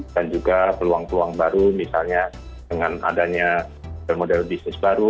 juga peluang peluang baru misalnya dengan adanya model model bisnis baru